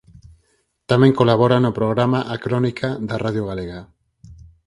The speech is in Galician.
Tamén colabora no programa "A Crónica" da Radio Galega.